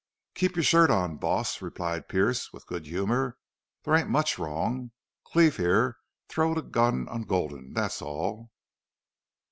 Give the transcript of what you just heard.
"Keep your shirt on, boss," replied Pearce, with good humor. "There ain't much wrong.... Cleve, here, throwed a gun on Gulden, that's all."